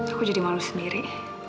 aku jadi malu sendiri